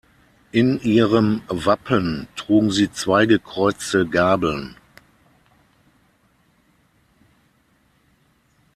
In ihrem Wappen trugen sie zwei gekreuzte Gabeln.